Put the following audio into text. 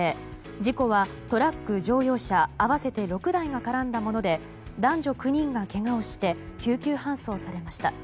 事故はトラック、乗用車合わせて６台が絡んだもので男女９人がけがをして救急搬送されました。